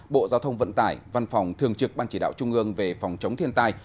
bộ giao thông vận tải văn phòng thường trực ban chỉ đạo trung ương về phòng chống thiên tai